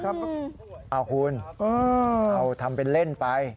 เอาคุณเอาทำเป็นเล่นไป